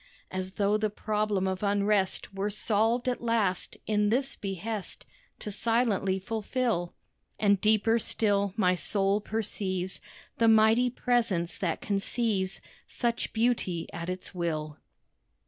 As though the problem of unrest Were solved at last, in this behest To silently fulfil; And deeper still, my soul perceives The mighty Presence that conceives Such beauty at Its will.